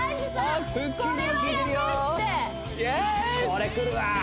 これくるわ！